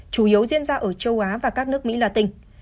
chủ yếu diễn ra ở châu á và các nước mỹ latin